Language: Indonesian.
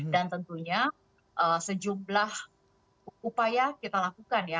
tentunya sejumlah upaya kita lakukan ya